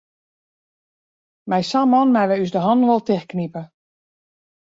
Mei sa'n man meie wy ús de hannen wol tichtknipe.